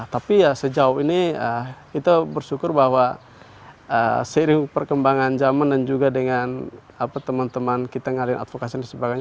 tapi ya sejauh ini kita bersyukur bahwa seiring perkembangan zaman dan juga dengan teman teman kita yang ada di advokasi dan sebagainya